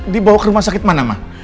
dia bawa ke rumah sakit mana ma